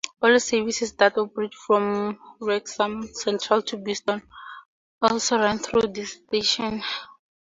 All services that operate from Wrexham Central to Bidston also run through this station.